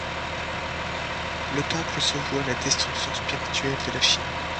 Le Temple se voue à la destruction spirituelle de la Chine.